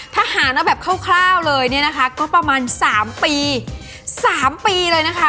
ถ้าหารเอาแบบคร่าวเลยก็ประมาณ๓ปี๓ปีเลยนะคะ